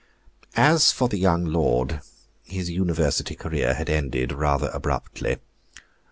As for the young lord, his university career had ended rather abruptly.